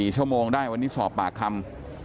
๔ชั่วโมงได้วันนี้สอบปากคำ